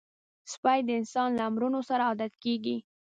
سپي د انسان له امرونو سره عادت کېږي.